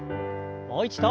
もう一度。